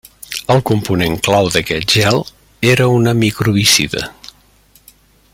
El component clau d’aquest gel era una microbicida.